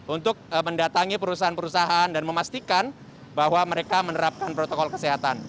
untuk mendatangi perusahaan perusahaan dan memastikan bahwa mereka menerapkan protokol kesehatan